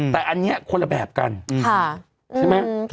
แต่อันนี้คนละแบบกันค่ะ